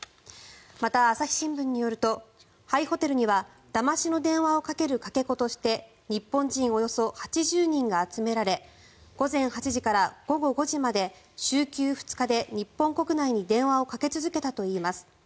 また、朝日新聞によると廃ホテルにはだましの電話をかけるかけ子として日本人およそ８０人が集められ午前８時から午後５時まで週休２日で日本国内に電話をかけ続けたといいます。